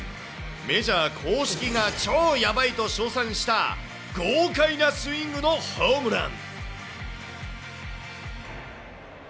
メジャー公式が超やばいと称賛した豪快なスイングのホームラン。